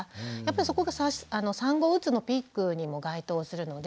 そこが産後うつのピークにも該当するので。